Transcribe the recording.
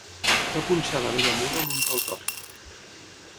Va punxar a la vella mula amb un pal tort.